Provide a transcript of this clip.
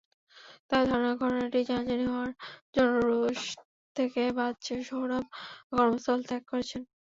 তাঁদের ধারণা, ঘটনাটি জানাজানি হওয়ায় জনরোষ থেকে বাঁচতে সোহরাব কর্মস্থল ত্যাগ করেছেন।